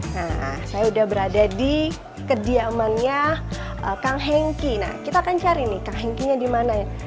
nah saya udah berada di kediamannya kang henky nah kita akan cari nih kang henky nya dimana ya